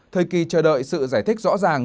thời kỳ chờ đợi sự giải thích rõ ràng